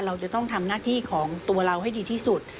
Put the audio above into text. เราจะต้องทำหน้าที่ของตัวเราให้ดีที่สุด